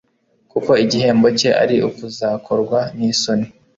kuko igihembo cye ari ukuzakorwa n'isoni